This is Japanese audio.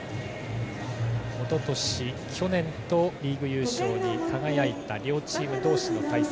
おととし、去年とリーグ優勝に輝いた両チーム同士の対戦。